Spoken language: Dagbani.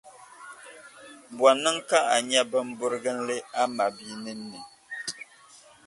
Bɔ n-niŋ ka a nya bimburiginli a mabia ninni?